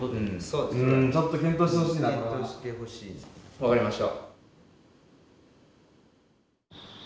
分かりました。